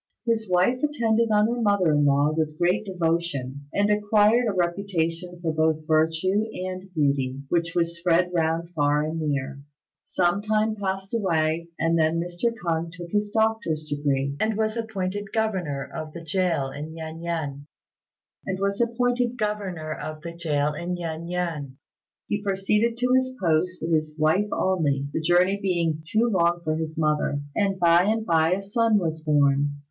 His wife attended on her mother in law with great devotion, and acquired a reputation both for virtue and beauty, which was spread round far and near. Some time passed away, and then Mr. K'ung took his doctor's degree, and was appointed Governor of the Gaol in Yen ngan. He proceeded to his post with his wife only, the journey being too long for his mother, and by and by a son was born.